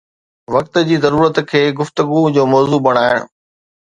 وقت جي ضرورت کي گفتگو جو موضوع بڻائڻ